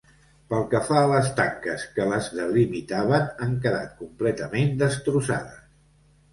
Pel que fa a les tanques que les delimitaven, han quedat completament destrossades.